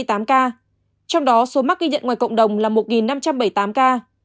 trong đó số mắc ghi nhận ngoài cộng đồng là một năm trăm bảy mươi tám ca